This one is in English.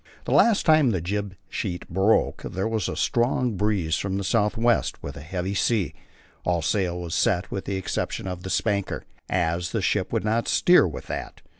The last time the jib sheet broke there was a strong breeze from the south west with a heavy sea; all sail was set with the exception of the spanker, as the ship would not steer with that.